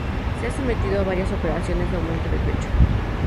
Se ha sometido a varias operaciones de aumento de pecho.